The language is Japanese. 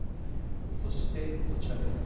そして、こちらです。